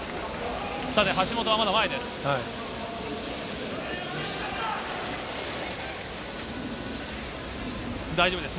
橋本はまだ前です。